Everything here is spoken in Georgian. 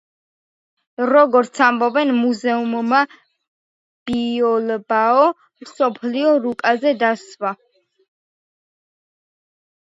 როგორც ამბობენ, მუზეუმმა ბილბაო მსოფლიო რუკაზე დასვა.